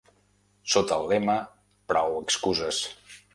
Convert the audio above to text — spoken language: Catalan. Sota el lema Prou excuses.